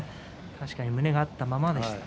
確かに胸が合ったままでした。